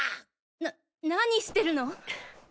な何してるの？